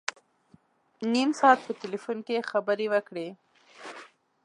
نیم ساعت په ټلفون کې خبري وکړې.